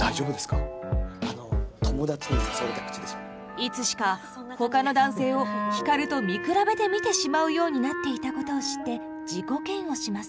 いつしかほかの男性を光と見比べて見てしまうようになっていたことを知って自己嫌悪します。